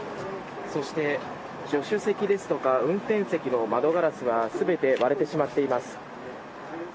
そして、助手席ですとか運転席の窓ガラスは全て割れてしまっています。